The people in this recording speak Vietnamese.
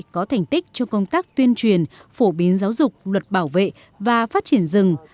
có thành tích trong công tác tuyên truyền phổ biến giáo dục luật bảo vệ và phát triển rừng